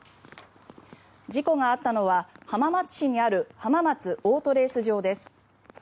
事故があったのは浜松市にある浜松オートレース場です。